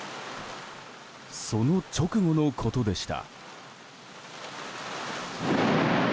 その直後のことでした。